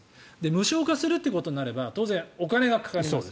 無償化するっていうことになれば当然、お金がかかります。